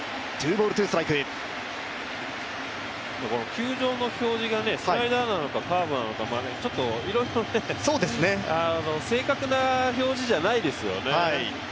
球場の表示がスライダーなのか、カーブなのかちょっといろいろね、正確な表示じゃないですよね。